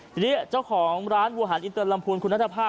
ทีนี้เจ้าของร้านวัวหันอินเตอร์ลำพูนคุณนัทภาพ